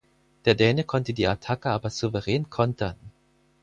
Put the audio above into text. Der Däne konnte die Attacke aber souverän kontern.